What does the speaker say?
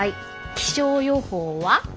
気象予報は？